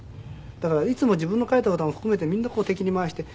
だからいつも自分の書いた歌も含めてみんな敵に回して。